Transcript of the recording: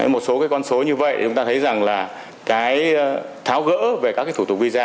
một số con số như vậy chúng ta thấy rằng là tháo gỡ về các thủ tục visa